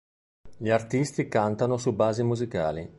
Gli artisti cantano su basi musicali.